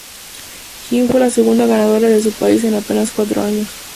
Green fue la segunda ganadora de su país en apenas cuatro años.